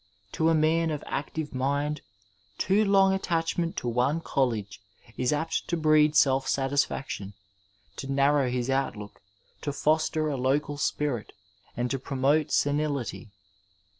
To a man of active mind too long attachment to one college is apt to breed self satis faction, to narrow his outlook, to foster a local spirit, and to promote senility.